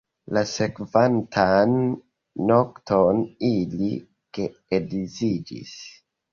La sekvantan nokton ili geedziĝis.